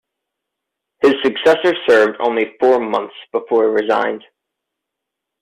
His successor served only four months before he resigned.